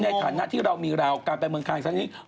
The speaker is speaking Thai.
ในสถานะที่เรามีเราการแบบนึงทางนี้